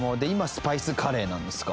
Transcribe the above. スパイスカレーなんですか。